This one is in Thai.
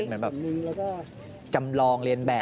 เหมือนแบบจำลองเรียนแบบ